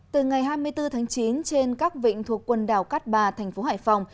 từ ngày hai mươi bốn tháng chín trên các vịnh thuộc quần đảo cát bà thành phố hải phòng